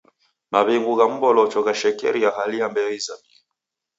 Maw'ingu gha m'bolocho ghashekeria hali ya mbeo izamie.